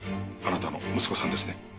あなたの息子さんですね？